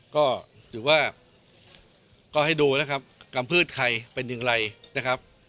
ก็ถือว่าก็ให้ดูนะครับกำพืชใครเป็นอย่างไรนะครับ